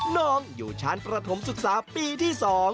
น้องอยู่ชั้นประถมศึกษาปีที่๒